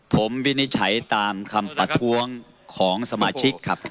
ผมวินิจฉัยตามคำประท้วงของสมาชิกครับ